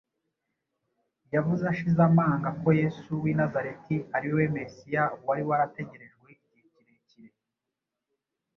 Yavuze ashize amanga ko Yesu w’i Nazareti ari we Mesiya wari warategerejwe igihe kirekire,